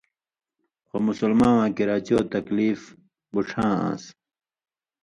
خو مسلماواں کِریا چو تکلیف بُوڇھاں آن٘س؛